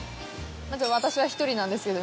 まあ、私は１人なんですけど。